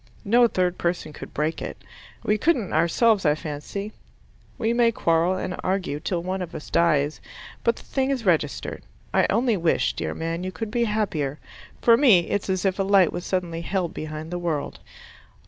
No third person could break it. We couldn't ourselves, I fancy. We may quarrel and argue till one of us dies, but the thing is registered. I only wish, dear man, you could be happier. For me, it's as if a light was suddenly held behind the world.